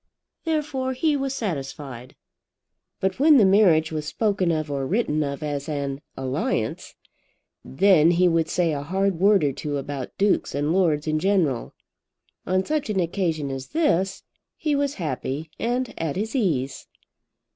Therefore he was satisfied. But when the marriage was spoken of, or written of, as "an alliance," then he would say a hard word or two about dukes and lords in general. On such an occasion as this he was happy and at his ease.